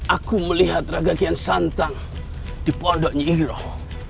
aku melihat raga kian santang di pondoknya iroh